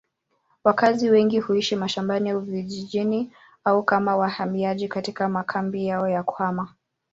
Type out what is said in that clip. Wakazi wengi huishi mashambani ama vijijini au kama wahamiaji katika makambi yao ya kuhama.